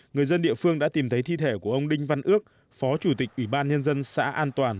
người dân địa phương đã tìm thấy thi thể của ông đinh văn ước phó chủ tịch ubnd xã an toàn